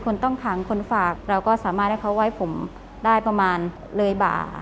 คนต้องขังคนฝากเราก็สามารถให้เขาไว้ผมได้ประมาณเลยบ่า